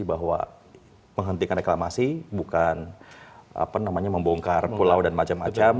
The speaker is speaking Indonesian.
bahwa menghentikan reklamasi bukan membongkar pulau dan macam macam